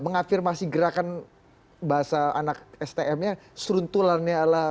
mengafirmasi gerakan bahasa anak stm nya seruntulannya adalah